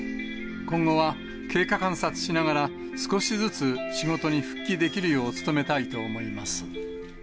今後は経過観察しながら、少しずつ仕事に復帰できるよう努めたいと思います。